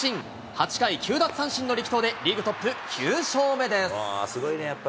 ８回９奪三振の力投でリーグトップ９勝目です。